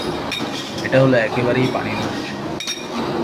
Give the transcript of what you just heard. এটা হল একেবারে পানির মতো সোজা।